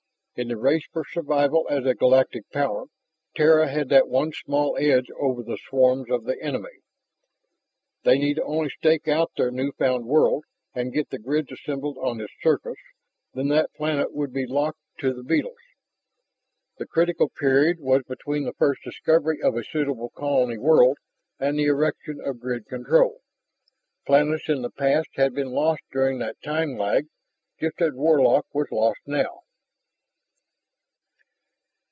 In the race for survival as a galactic power, Terra had that one small edge over the swarms of the enemy. They need only stake out their new found world and get the grids assembled on its surface; then that planet would be locked to the beetles. The critical period was between the first discovery of a suitable colony world and the erection of grid control. Planets in the past had been lost during that time lag, just as Warlock was lost now.